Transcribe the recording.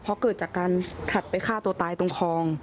เพราะเกิดจากการถัดไปฆ่าตัวตายตรงคลอง